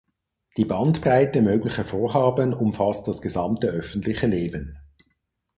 Die Bandbreite möglicher Vorhaben umfasst das gesamte öffentliche Leben.